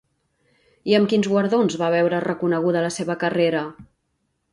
I amb quins guardons va veure reconeguda la seva carrera?